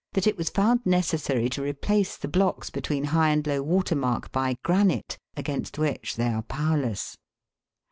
that it was found necessary to replace the blocks between high and low water mark by granite, against which they are powerless.